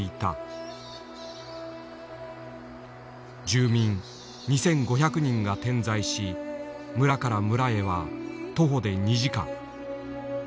住民２，５００人が点在し村から村へは徒歩で２時間。